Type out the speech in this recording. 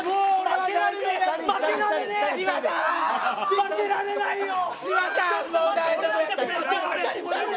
負けられないよ。